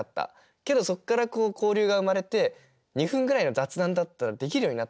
けどそこから交流が生まれて２分ぐらいの雑談だったらできるようになった。